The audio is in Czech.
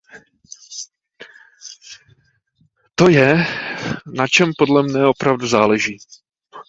To je, na čem podle mne opravdu záleží.